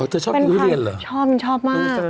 เธอชอบดูเลี่ยนหรอชอบชอบมาก